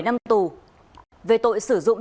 bảy năm tù về tội sử dụng